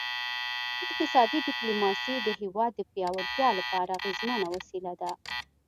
اقتصادي ډیپلوماسي د هیواد د پیاوړتیا لپاره اغیزمنه وسیله ده